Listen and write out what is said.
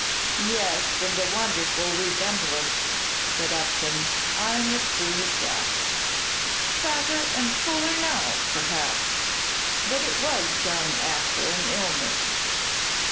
"Yes, and a wonderful resemblance," said Upton, eying it through his glass. "Fatter and fuller now, perhaps; but it was done after an illness."